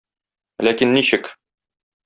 Ләкин ничек?